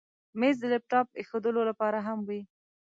مېز د لپټاپ ایښودلو لپاره هم وي.